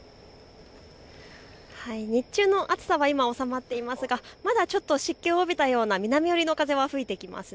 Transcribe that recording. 日中の暑さは今は収まっていますがまだ湿気を帯びたような南寄りの風が吹いてきます。